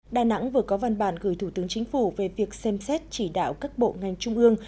đà nẵng vừa có văn bản gửi thủ tướng chính phủ về việc xem xét chỉ đạo các bộ ngành trung ương